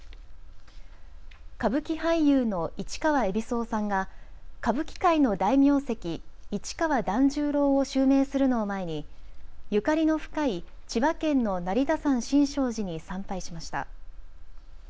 歌舞伎俳優の市川海老蔵さんが歌舞伎界の大名跡市川團十郎を襲名するのを前にゆかりの深い千葉県の成田山新勝寺に参拝しました。